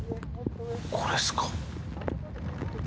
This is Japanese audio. これっすか？